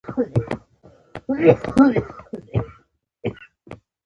د شونډو د توروالي لپاره د لیمو او بورې اسکراب وکاروئ